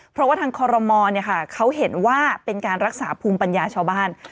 เพราะว่าทางคอรมอลเขาเห็นว่าเป็นการรักษาภูมิปัญญาชาวบ้าน